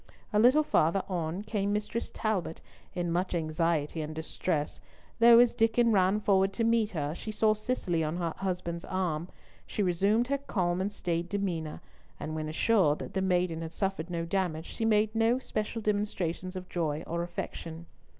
A little farther on came Mistress Talbot, in much anxiety and distress, though as Diccon ran forward to meet her, and she saw Cicely on her husband's arm, she resumed her calm and staid demeanour, and when assured that the maiden had suffered no damage, she made no special demonstrations of joy or affection.